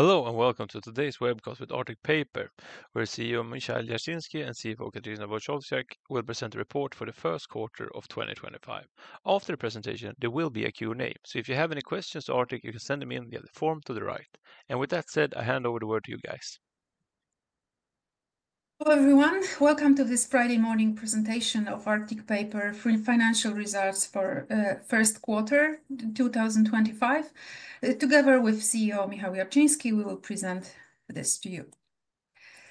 Hello and welcome to today's webcast with Arctic Paper, where CEO Michal Jarczyński and CFO Katarzyna Wojtkowiak will present a report for the first quarter of 2025. After the presentation, there will be a Q&A, so if you have any questions for Arctic, you can send them in via the form to the right. With that said, I hand over the word to you guys. Hello everyone, welcome to this Friday morning presentation of Arctic Paper's financial results for the first quarter of 2025. Together with CEO Michal Jarczyński, we will present this to you.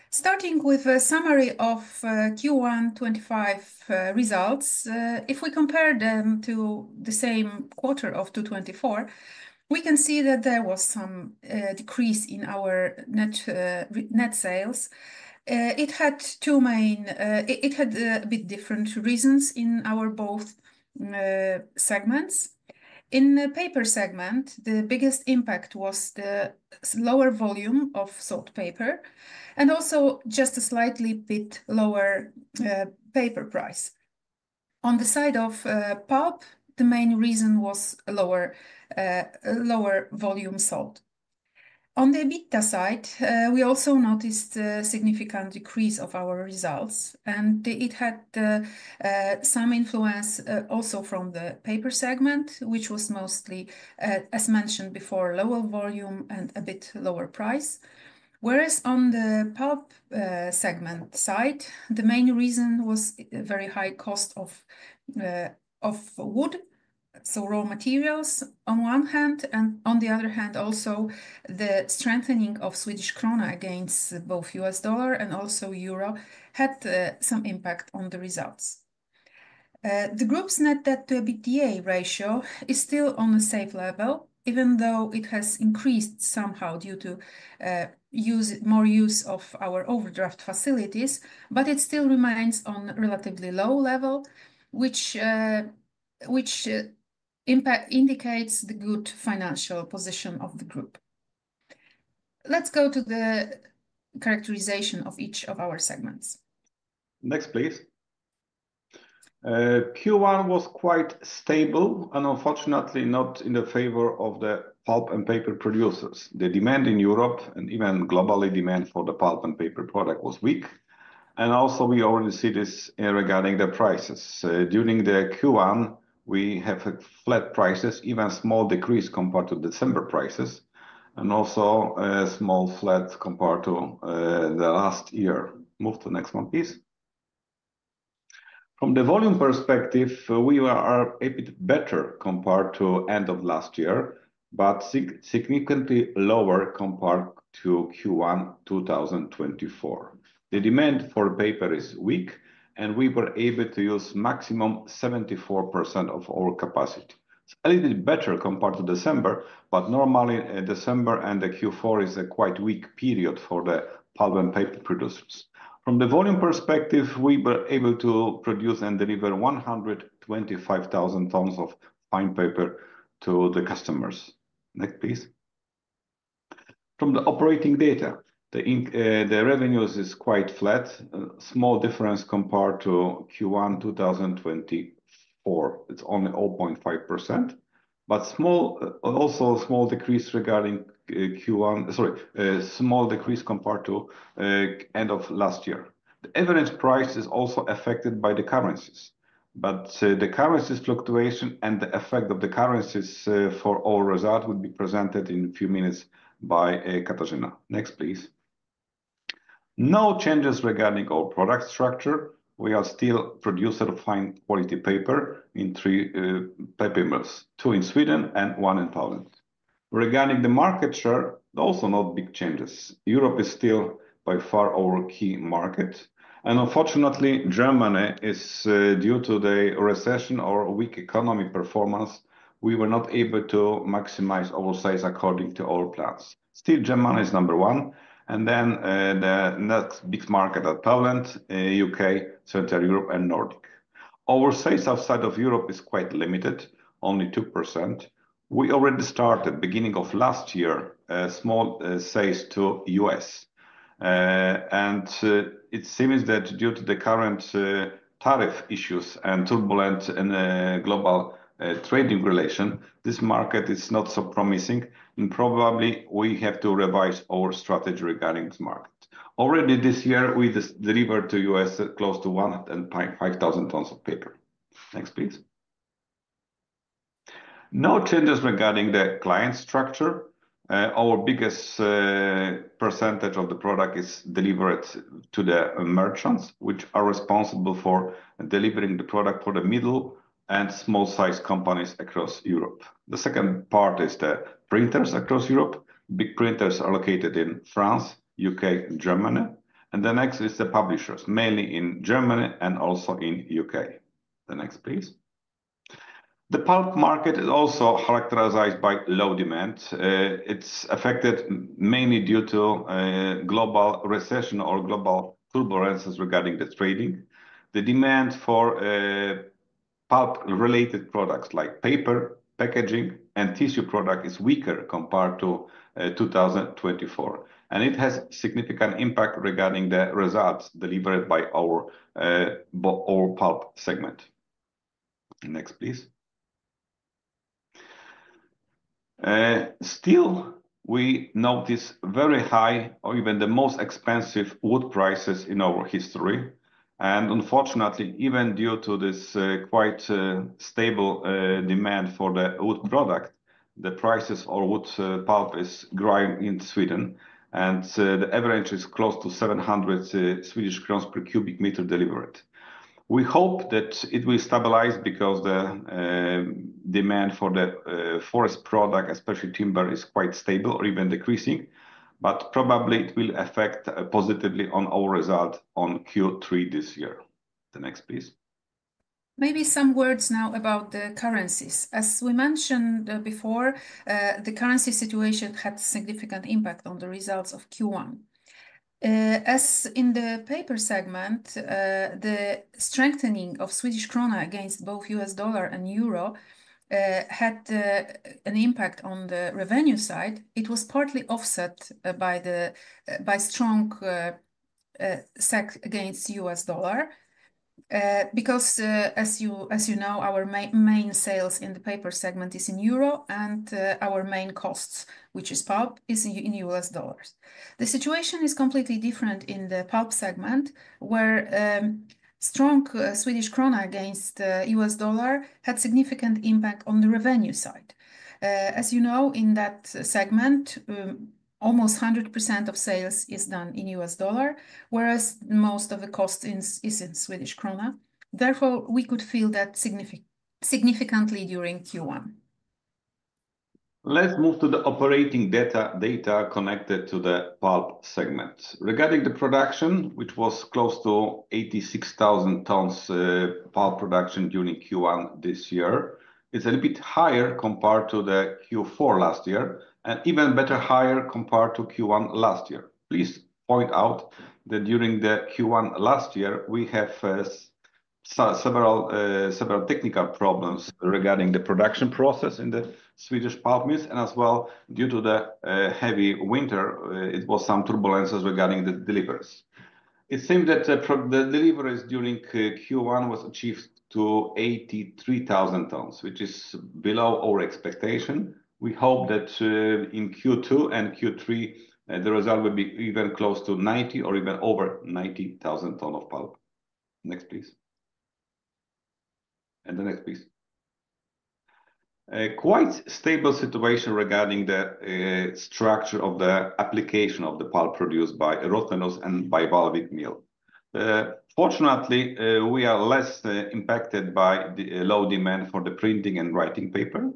Starting with a summary of Q1 2025 results, if we compare them to the same quarter of 2024, we can see that there was some decrease in our net sales. It had two main—it had a bit different reasons in our both segments. In the paper segment, the biggest impact was the lower volume of sold paper and also just a slightly bit lower paper price. On the side of pulp, the main reason was lower volume sold. On the EBITDA side, we also noticed a significant decrease of our results, and it had some influence also from the paper segment, which was mostly, as mentioned before, lower volume and a bit lower price. Whereas on the pulp segment side, the main reason was very high cost of wood, so raw materials on one hand, and on the other hand, also the strengthening of Swedish krona against both US dollar and also Euro had some impact on the results. The group's net debt to EBITDA ratio is still on a safe level, even though it has increased somehow due to more use of our overdraft facilities, but it still remains on a relatively low level, which indicates the good financial position of the group. Let's go to the characterization of each of our segments. Next, please. Q1 was quite stable and unfortunately not in the favor of the pulp and paper producers. The demand in Europe and even global demand for the pulp and paper product was weak. Also, we already see this regarding the prices. During Q1, we have flat prices, even a small decrease compared to December prices, and also a small flat compared to the last year. Move to the next one, please. From the volume perspective, we were a bit better compared to the end of last year, but significantly lower compared to Q1 2024. The demand for paper is weak, and we were able to use a maximum of 74% of our capacity. It's a little bit better compared to December, but normally December and Q4 is a quite weak period for the pulp and paper producers. From the volume perspective, we were able to produce and deliver 125,000 tons of fine paper to the customers. Next, please. From the operating data, the revenues are quite flat, a small difference compared to Q1 2024. It's only 0.5%, but also a small decrease regarding Q1—sorry, a small decrease compared to the end of last year. The average price is also affected by the currencies, but the currency fluctuation and the effect of the currencies for our result will be presented in a few minutes by Katarzyna. Next, please. No changes regarding our product structure. We are still a producer of fine quality paper in three paper mills: two in Sweden and one in Poland. Regarding the market share, also no big changes. Europe is still by far our key market. Unfortunately, Germany, due to the recession or weak economic performance, we were not able to maximize our sales according to our plans. Still, Germany is number one. The next big markets are Poland, the U.K., Central Europe, and Nordic. Our sales outside of Europe are quite limited, only 2%. We already started at the beginning of last year with small sales to the U.S. It seems that due to the current tariff issues and turbulent global trading relations, this market is not so promising. We probably have to revise our strategy regarding this market. Already this year, we delivered to the U.S. close to 105,000 tons of paper. Next, please. No changes regarding the client structure. Our biggest percentage of the product is delivered to the merchants, which are responsible for delivering the product for the middle and small-sized companies across Europe. The second part is the printers across Europe. Big printers are located in France, the U.K., and Germany. The next is the publishers, mainly in Germany and also in the U.K. The next, please. The pulp market is also characterized by low demand. It is affected mainly due to global recession or global turbulences regarding the trading. The demand for pulp-related products like paper, packaging, and tissue products is weaker compared to 2024. It has a significant impact regarding the results delivered by our pulp segment. Next, please. Still, we notice very high or even the most expensive wood prices in our history. Unfortunately, even due to this quite stable demand for the wood product, the prices of wood pulp are growing in Sweden, and the average is close to 700 Swedish crowns per cubic meter delivered. We hope that it will stabilize because the demand for the forest product, especially timber, is quite stable or even decreasing, but probably it will affect positively on our result on Q3 this year. The next, please. Maybe some words now about the currencies. As we mentioned before, the currency situation had a significant impact on the results of Q1. As in the paper segment, the strengthening of Swedish krona against both the US dollar and Euro had an impact on the revenue side. It was partly offset by the strong Swedish krona against the US dollar because, as you know, our main sales in the paper segment are in Euro, and our main costs, which is pulp, are in US dollars. The situation is completely different in the pulp segment, where strong Swedish krona against the US dollar had a significant impact on the revenue side. As you know, in that segment, almost 100% of sales is done in US dollars, whereas most of the cost is in Swedish krona. Therefore, we could feel that significantly during Q1. Let's move to the operating data connected to the pulp segment. Regarding the production, which was close to 86,000 tons of pulp production during Q1 this year, it's a bit higher compared to Q4 last year and even better higher compared to Q1 last year. Please point out that during Q1 last year, we had several technical problems regarding the production process in the Swedish pulp mills, and as well, due to the heavy winter, there were some turbulences regarding the deliveries. It seems that the deliveries during Q1 were achieved to 83,000 tons, which is below our expectation. We hope that in Q2 and Q3, the result will be even close to 90 or even over 90,000 tons of pulp. Next, please. Next, please. Quite a stable situation regarding the structure of the application of the pulp produced by Rottneros and by Vallvik Mill. Fortunately, we are less impacted by the low demand for the printing and writing paper,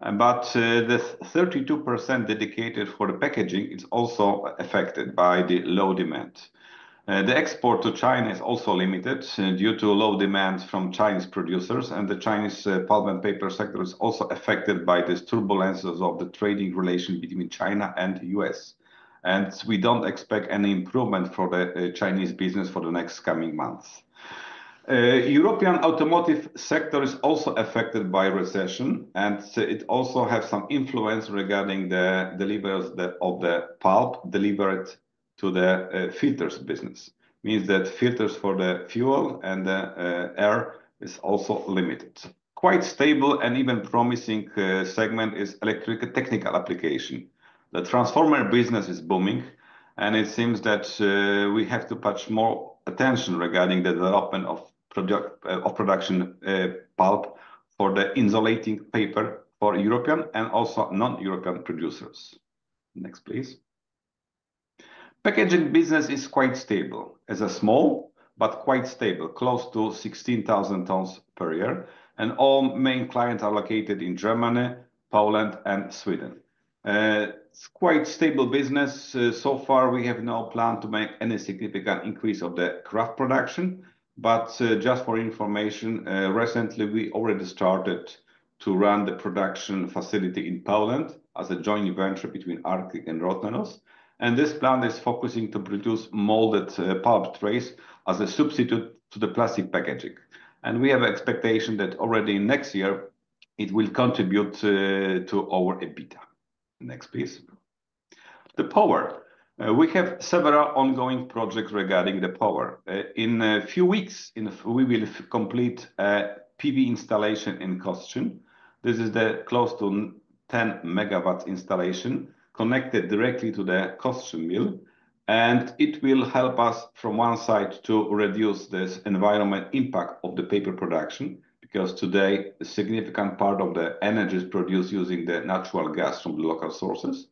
but the 32% dedicated for the packaging is also affected by the low demand. The export to China is also limited due to low demand from Chinese producers, and the Chinese pulp and paper sector is also affected by these turbulences of the trading relations between China and the U.S. We do not expect any improvement for the Chinese business for the next coming months. The European automotive sector is also affected by the recession, and it also has some influence regarding the deliveries of the pulp delivered to the filters business. It means that filters for the fuel and the air are also limited. Quite stable and even promising segment is electrical technical application. The transformer business is booming, and it seems that we have to pay more attention regarding the development of production pulp for the insulating paper for European and also non-European producers. Next, please. The packaging business is quite stable. It is small, but quite stable, close to 16,000 tons per year. All main clients are located in Germany, Poland, and Sweden. It is a quite stable business. So far, we have no plan to make any significant increase in the kraft production. Just for information, recently, we already started to run the production facility in Poland as a joint venture between Arctic Paper and Rottneros. This plant is focusing on producing molded pulp trays as a substitute for the plastic packaging. We have an expectation that already next year, it will contribute to our EBITDA. Next, please. The power. We have several ongoing projects regarding the power. In a few weeks, we will complete a PV installation in Kostrzyn. This is a close to 10 MW installation connected directly to the Kostrzyn mill. It will help us, from one side, to reduce the environmental impact of the paper production because today, a significant part of the energy is produced using the natural gas from the local sources.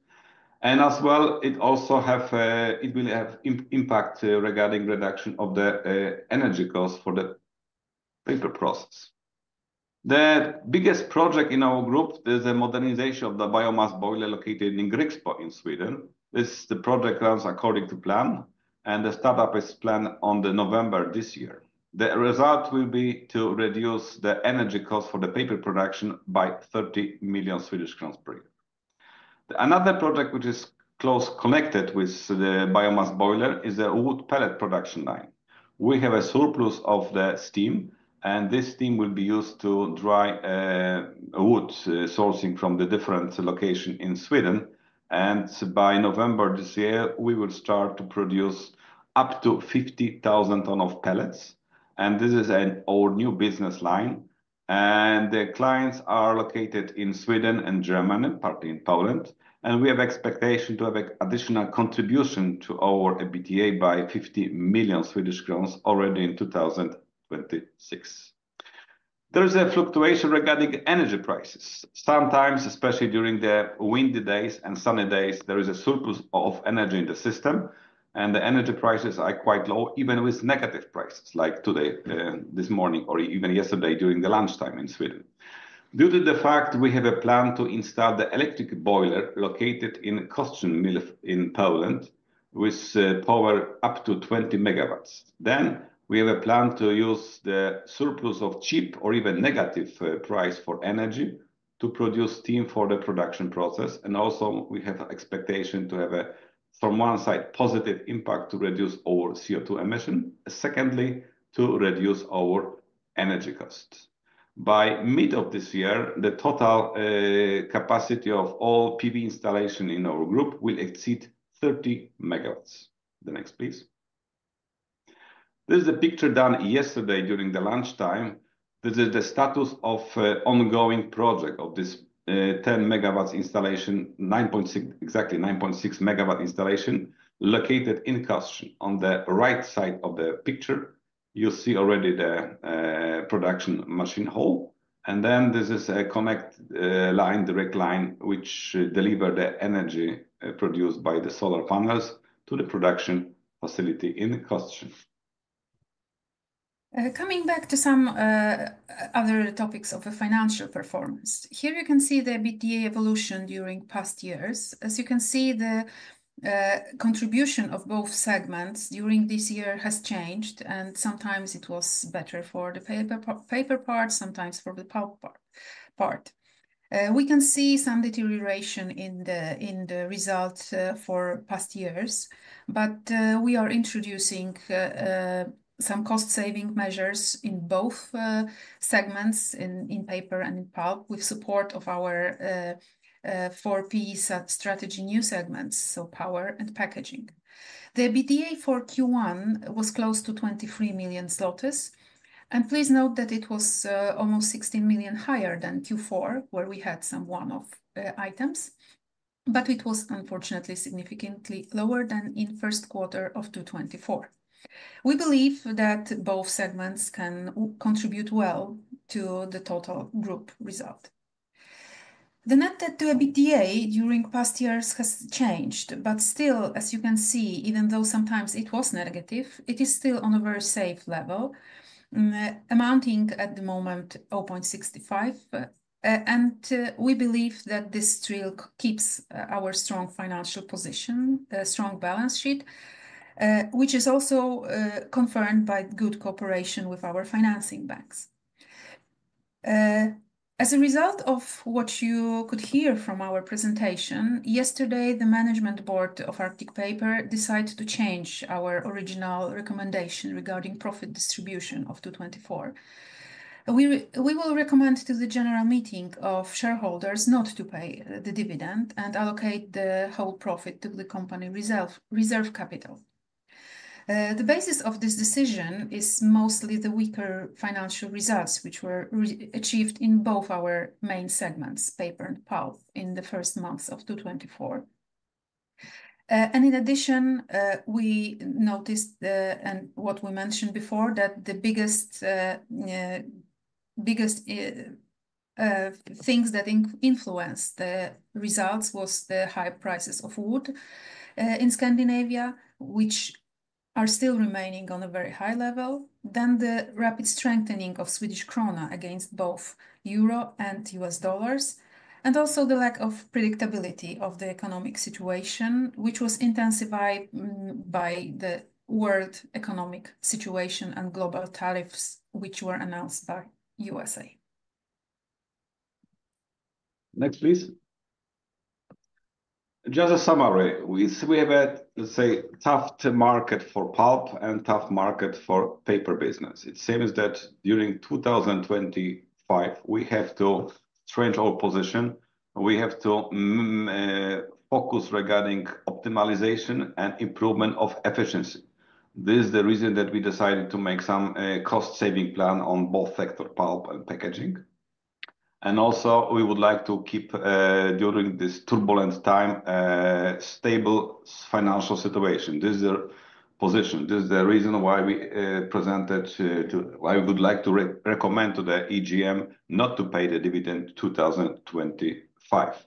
It will also have an impact regarding the reduction of the energy cost for the paper process. The biggest project in our group is the modernization of the biomass boiler located in Grönsö in Sweden. This project runs according to plan, and the startup is planned for November this year. The result will be to reduce the energy cost for the paper production by 30 million Swedish crowns per year. Another project which is closely connected with the biomass boiler is the wood pellet production line. We have a surplus of the steam, and this steam will be used to dry wood sourcing from the different locations in Sweden. By November this year, we will start to produce up to 50,000 tons of pellets. This is our new business line. The clients are located in Sweden and Germany, partly in Poland. We have an expectation to have an additional contribution to our EBITDA by 50 million Swedish crowns already in 2026. There is a fluctuation regarding energy prices. Sometimes, especially during the windy days and sunny days, there is a surplus of energy in the system, and the energy prices are quite low, even with negative prices like today, this morning, or even yesterday during lunchtime in Sweden. Due to the fact we have a plan to install the electric boiler located in Kostrzyn mill in Poland with power up to 20 MWs, we have a plan to use the surplus of cheap or even negative price for energy to produce steam for the production process. We have an expectation to have, from one side, a positive impact to reduce our CO2 emission. Secondly, to reduce our energy costs. By mid of this year, the total capacity of all PV installations in our group will exceed 30 MWs. The next, please. This is a picture done yesterday during lunchtime. This is the status of the ongoing project of this 10-MW installation, exactly 9.6-MW installation located in Kostrzyn. On the right side of the picture, you see already the production machine hall. This is a connect line, direct line, which delivers the energy produced by the solar panels to the production facility in Kostrzyn. Coming back to some other topics of financial performance, here you can see the EBITDA evolution during past years. As you can see, the contribution of both segments during this year has changed, and sometimes it was better for the paper part, sometimes for the pulp part. We can see some deterioration in the results for past years, but we are introducing some cost-saving measures in both segments, in paper and in pulp, with support of our four P strategy new segments, so power and packaging. The EBITDA for Q1 was close to 23 million zlotys. Please note that it was almost 16 million higher than Q4, where we had some one-off items, but it was unfortunately significantly lower than in the first quarter of 2024. We believe that both segments can contribute well to the total group result. The net debt to EBITDA during past years has changed, but still, as you can see, even though sometimes it was negative, it is still on a very safe level, amounting at the moment to 0.65. We believe that this trill keeps our strong financial position, a strong balance sheet, which is also confirmed by good cooperation with our financing banks. As a result of what you could hear from our presentation yesterday, the Management Board of Arctic Paper decided to change our original recommendation regarding profit distribution of 2024. We will recommend to the general meeting of shareholders not to pay the dividend and allocate the whole profit to the company reserve capital. The basis of this decision is mostly the weaker financial results, which were achieved in both our main segments, paper and pulp, in the first month of 2024. In addition, we noticed, and what we mentioned before, that the biggest things that influenced the results were the high prices of wood in Scandinavia, which are still remaining on a very high level, the rapid strengthening of Swedish krona against both Euro and US dollars, and also the lack of predictability of the economic situation, which was intensified by the world economic situation and global tariffs, which were announced by the USA. Next, please. Just a summary. We have a, let's say, tough market for pulp and a tough market for the paper business. It seems that during 2025, we have to change our position. We have to focus regarding optimization and improvement of efficiency. This is the reason that we decided to make some cost-saving plans on both sectors, pulp and packaging. Also, we would like to keep, during this turbulent time, a stable financial situation. This is our position. This is the reason why we presented to why we would like to recommend to the EGM not to pay the dividend in 2025.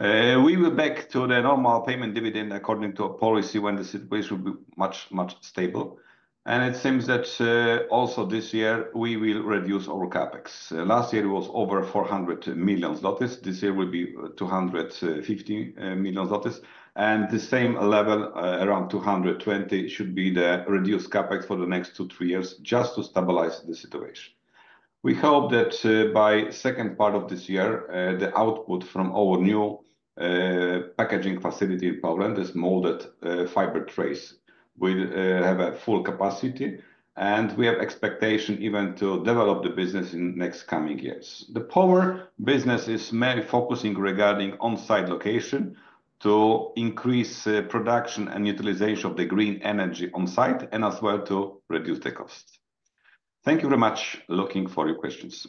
We will back to the normal payment dividend according to policy when the situation will be much, much stable. It seems that also this year, we will reduce our CapEx. Last year, it was over 400 million zlotys. This year, it will be 250 million zlotys. The same level, around 220 million, should be the reduced CapEx for the next two to three years, just to stabilize the situation. We hope that by the second part of this year, the output from our new packaging facility in Poland, these molded pulp trays, will have full capacity. We have an expectation even to develop the business in the next coming years. The power business is mainly focusing regarding on-site location to increase production and utilization of the green energy on-site and as well to reduce the cost. Thank you very much. Looking forward to your questions.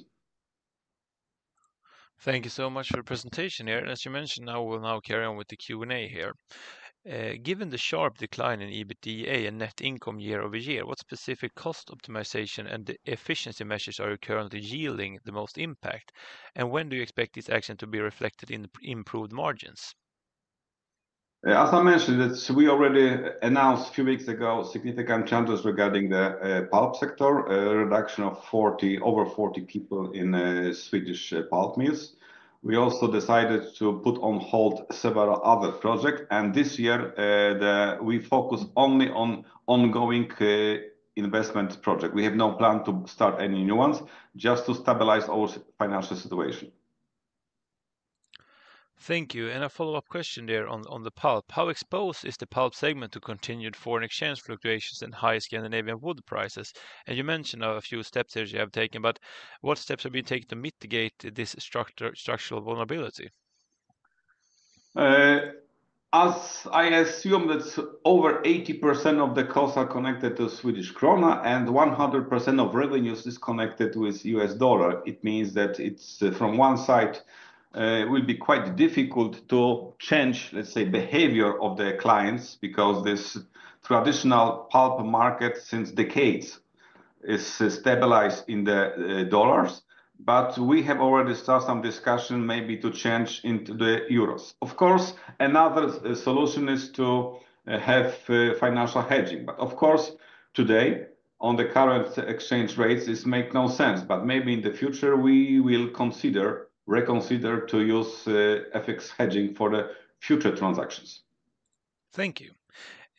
Thank you so much for the presentation here. As you mentioned, I will now carry on with the Q&A here. Given the sharp decline in EBITDA and net income year-over-year, what specific cost optimization and efficiency measures are currently yielding the most impact? When do you expect this action to be reflected in improved margins? As I mentioned, we already announced a few weeks ago significant changes regarding the pulp sector, a reduction of over 40 people in Swedish pulp mills. We also decided to put on hold several other projects. This year, we focus only on ongoing investment projects. We have no plan to start any new ones, just to stabilize our financial situation. Thank you. A follow-up question there on the pulp. How exposed is the pulp segment to continued foreign exchange fluctuations and high Scandinavian wood prices? You mentioned a few steps here you have taken, but what steps have been taken to mitigate this structural vulnerability? I assume that over 80% of the costs are connected to Swedish krona, and 100% of revenues are connected to the US dollar. It means that from one side, it will be quite difficult to change, let's say, the behavior of the clients because this traditional pulp market since decades is stabilized in the dollars. We have already started some discussion maybe to change into the Euros. Of course, another solution is to have financial hedging. Of course, today, on the current exchange rates, this makes no sense. Maybe in the future, we will reconsider using FX hedging for the future transactions. Thank you.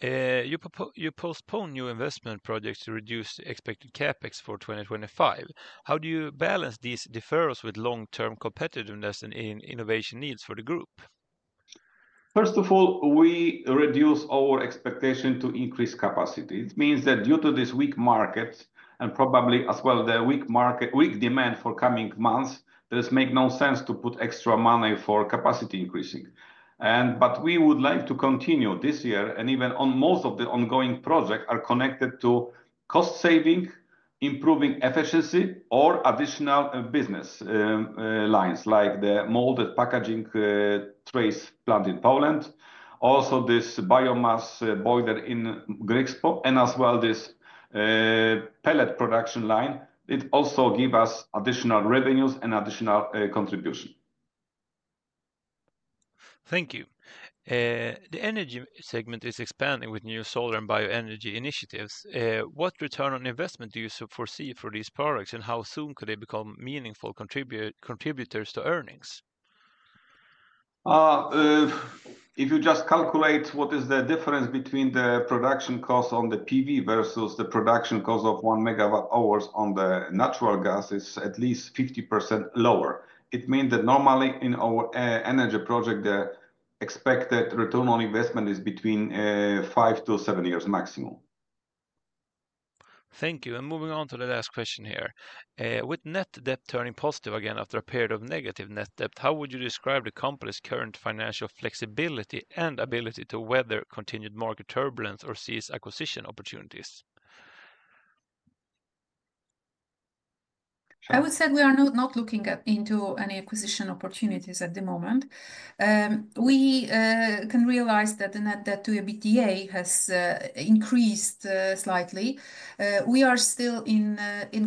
You postpone new investment projects to reduce expected CapEx for 2025. How do you balance these deferrals with long-term competitiveness and innovation needs for the group? First of all, we reduce our expectation to increase capacity. It means that due to this weak market and probably as well the weak demand for the coming months, it makes no sense to put extra money for capacity increasing. We would like to continue this year, and even most of the ongoing projects are connected to cost saving, improving efficiency, or additional business lines like the molded packaging trays plant in Poland. Also, this biomass boiler in Grönsö and as well this pellet production line, it also gives us additional revenues and additional contribution. Thank you. The energy segment is expanding with new solar and bioenergy initiatives. What return on investment do you foresee for these products, and how soon could they become meaningful contributors to earnings? If you just calculate what is the difference between the production cost on the PV versus the production cost of one MW hours on the natural gas, it's at least 50% lower. It means that normally in our energy project, the expected return on investment is between five to seven years maximum. Thank you. Moving on to the last question here. With net debt turning positive again after a period of negative net debt, how would you describe the company's current financial flexibility and ability to weather continued market turbulence or seize acquisition opportunities? I would say we are not looking into any acquisition opportunities at the moment. We can realize that the net debt to EBITDA has increased slightly. We are still in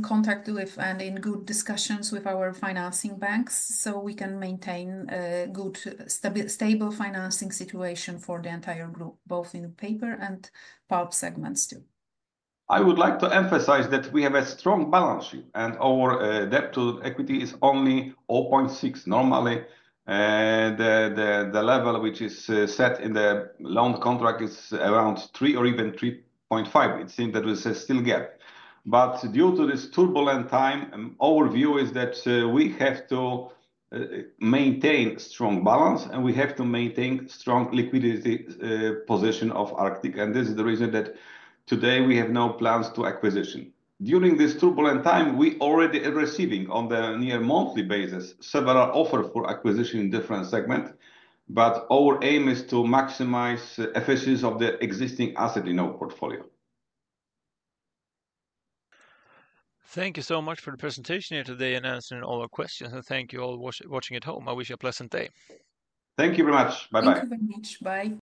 contact with and in good discussions with our financing banks, so we can maintain a good, stable financing situation for the entire group, both in the paper and pulp segments too. I would like to emphasize that we have a strong balance sheet, and our debt to equity is only 0.6. Normally, the level which is set in the loan contract is around 3 or even 3.5. It seems that we still get. Due to this turbulent time, our view is that we have to maintain a strong balance, and we have to maintain a strong liquidity position of Arctic Paper. This is the reason that today we have no plans to acquisire. During this turbulent time, we are already receiving on the near-monthly basis several offers for acquisition in different segments, but our aim is to maximize the efficiency of the existing assets in our portfolio. Thank you so much for the presentation here today and answering all our questions. Thank you all for watching at home. I wish you a pleasant day. Thank you very much. Bye-bye. Thank you very much. Bye.